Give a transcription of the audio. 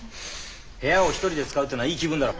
部屋を一人で使うってのはいい気分だろ。